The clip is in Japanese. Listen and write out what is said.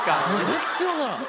全然分からん。